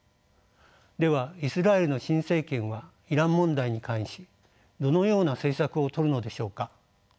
ではイスラエルの新政権はイラン問題に関しどのような政策をとるのでしょうか。